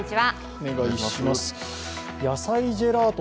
野菜ジェラート